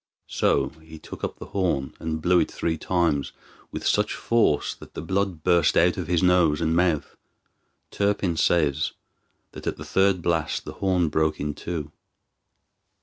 So he took up the horn and blew it three times, with such force that the blood burst out of his nose and mouth. Turpin says that at the third blast the horn broke in two.